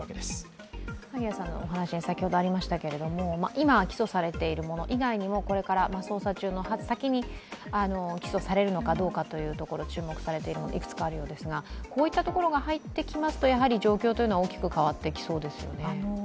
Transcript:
今、起訴されているもの以外にもこれから捜査の先に起訴されるのかどうかというところ、注目されているものがいくつかあるようですがこういったところが入ってきますと、状況というのは大きく変わってきそうですよね。